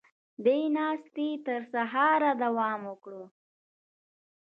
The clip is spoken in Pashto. دې ناستې تر سهاره دوام وکړ.